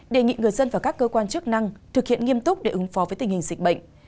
đề nghị người dân và các cơ quan chức năng thực hiện nghiêm túc để ứng phó với tình hình dịch bệnh